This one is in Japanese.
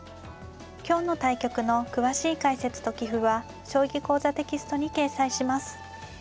今日の対局の詳しい解説と棋譜は「将棋講座」テキストに掲載します。